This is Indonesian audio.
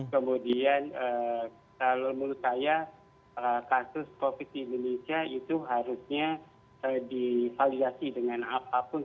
kemudian kalau menurut saya kasus covid di indonesia itu harusnya divaliasi dengan apapun